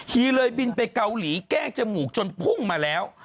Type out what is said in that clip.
ฮีเลยบินไปเกาหลีแกล้งจมูกจนพุ่งมาแล้ว